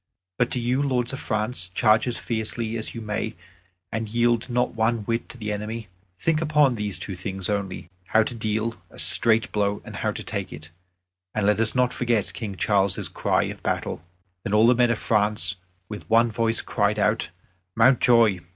But do you, lords of France, charge as fiercely as you may, and yield not one whit to the enemy. Think upon these two things only how to deal a straight blow and to take it. And let us not forget King Charles' cry of battle." Then all the men of France with one voice cried out, "Mountjoy!"